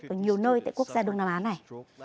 ở nhiều nơi tại quốc gia đông nam á này